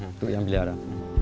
untuk yang pelihara